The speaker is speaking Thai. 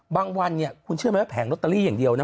บางวันคุณเชื่อมันว่าแผงโลเตอรีอย่างเดียวนะ